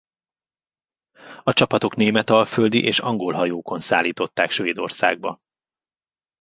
A csapatok németalföldi és angol hajókon szállították Svédországba.